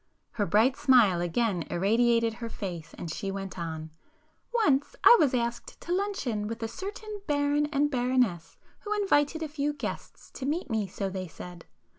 Her bright smile again irradiated her face and she went on—"Once I was asked to luncheon with a certain baron and baroness who invited a few guests "to meet me," so they said.